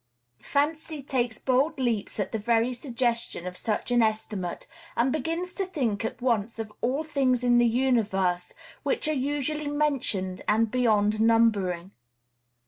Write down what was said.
Fancy takes bold leaps at the very suggestion of such an estimate, and begins to think at once of all things in the universe which are usually mentioned as beyond numbering.